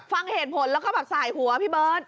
ฟังเหตุผลแล้วก็แบบสายหัวพี่เบิร์ต